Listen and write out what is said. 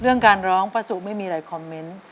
เรื่องการร้องป้าสุไม่มีอะไรคอมเมนต์